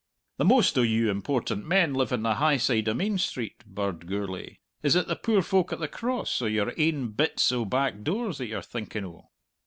"The most o' you important men live on the high side o' Main Street," birred Gourlay. "Is it the poor folk at the Cross, or your ain bits o' back doors that you're thinking o'?"